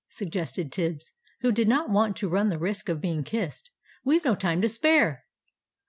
suggested Tibbs, who did not want to run the risk of being kissed. "We've no time to spare."